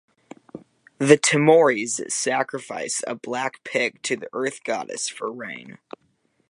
The Timorese sacrifice a black pig to the Earth-goddess for rain.